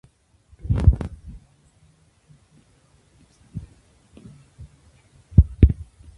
Tras estar varios año bajo un estado de deterioro, actualmente se encuentra en restauración.